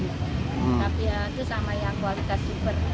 tapi ya itu sama yang kualitas super